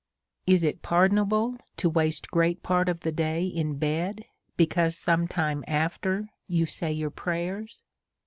Is it pardonable to waste great part of the day in bed, because some time after you say your prayers?